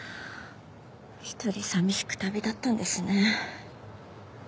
一人寂しく旅立ったんですね。